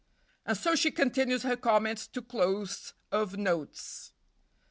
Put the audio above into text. And so she continues her comments to close of notes.